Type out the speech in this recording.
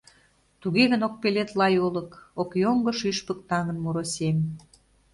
Туге гын ок пелед лай олык, Ок йоҥго шӱшпык таҥын муро сем.